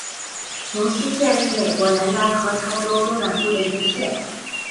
琼斯县是美国南达科他州中南部的一个县。